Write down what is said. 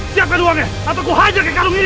siapkan uangnya atau aku hajar ke kadung ini